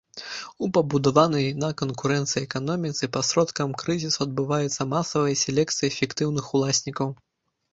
У пабудаванай на канкурэнцыі эканоміцы пасродкам крызісу адбываецца масавая селекцыя эфектыўных уласнікаў.